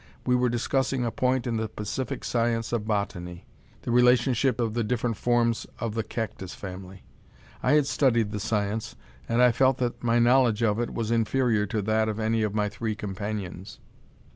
We were discussing a point in the pacific science of botany: the relationship of the different forms of the cactus family. I had studied the science, and I felt that my knowledge of it was inferior to that of any of my three companions.